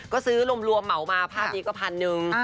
ก็ซื้อรวมเหมามาภาพนี้ก็พันหนึ่ง